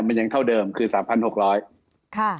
มันยังเท่าเดิมคือ๓๖๐๐บาท